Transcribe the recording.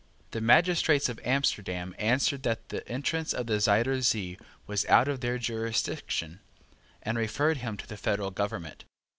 The magistrates of Amsterdam answered that the entrance of the Zuyder Zee was out of their jurisdiction, and referred him to the federal government.